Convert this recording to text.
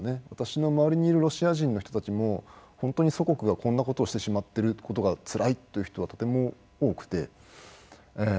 私の周りにいるロシア人たちも本当に祖国が、こんなことをしてしまっているということがつらいという人はとても多くて。